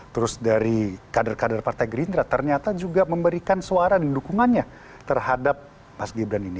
terus dari kader kader partai gerindra ternyata juga memberikan suara dan dukungannya terhadap mas gibran ini